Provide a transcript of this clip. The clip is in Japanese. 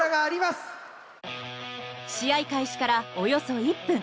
試合開始からおよそ１分。